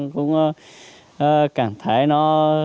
cũng cảm thấy nó